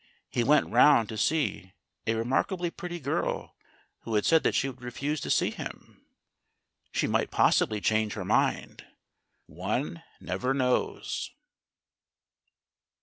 He went round to see a remarkably pretty girl who had said that she would refuse to see him. She might possibly change her mind. One never knows.